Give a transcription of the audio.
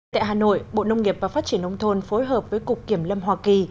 tại hà nội bộ nông nghiệp và phát triển nông thôn phối hợp với cục kiểm lâm hoa kỳ